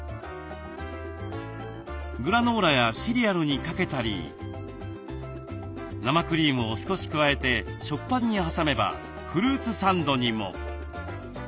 グラノーラやシリアルにかけたり生クリームを少し加えて食パンに挟めばフルーツサンドにも。